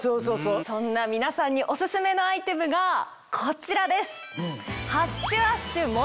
そんな皆さんにオススメのアイテムがこちらです。